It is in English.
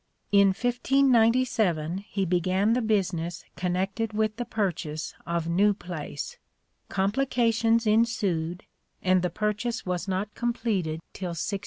In 1597 he began the business connected with the purchase of New Place. Complica tions ensued, and the purchase was not completed till 1602.